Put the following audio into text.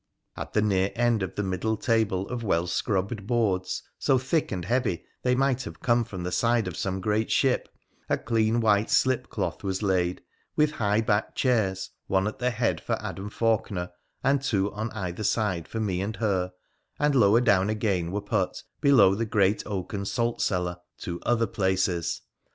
At the near end of the middle table of well scrubbed boards, so thick and heavy they might have come from the side of some great ship, a clean white slip cloth was laid, with high backed chairs, one at the head for Adam Faulkener, and two on either side for me and her, and lower down again were put, below the great oaken salt cellar, two other places.